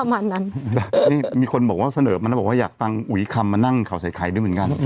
อ๋อฮะนี่มีคนบอกว่าเสนอมาแล้วบอกว่าอยากตั้งอุ๋ยคำมานั่งเขาใส่ใครด้วยเหมือนกัน